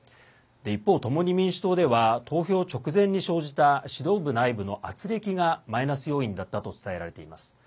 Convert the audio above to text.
一方、共に民主党では投票直前に生じた指導部内部のあつれきがマイナス要因だったと伝えられています。